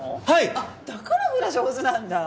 あっだからフラ上手なんだ！